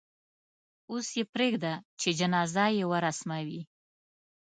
اوس یې پرېږده چې جنازه یې ورسموي.